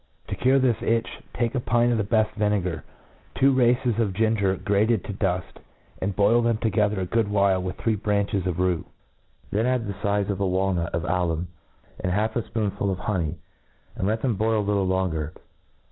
To cure this itch, take a pint of the beft vinegar, two races of ginger grated to duft, and boil them together a good while with three Branches of rue. Then add the ^ lizc of a walnut of alum, and half a fpoonful of ho<^ ney ; and let them boil a little longer.